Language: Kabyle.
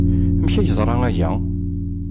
Amek ay yeẓra aya?